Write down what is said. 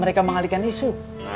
mereka mengalihkan isu